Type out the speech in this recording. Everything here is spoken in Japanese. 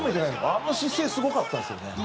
あの姿勢、すごかったですよね。